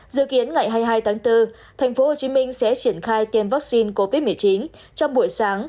dự kiến ngày hai mươi hai tháng bốn tp hcm sẽ triển khai tiêm vaccine covid một mươi chín trong buổi sáng